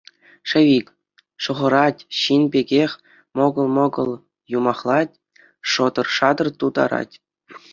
Шӗвик! шӑхӑрать, ҫын пекех, мӑкӑл-мӑкӑл юмахлать, шӑтӑр-шатӑр тутарать.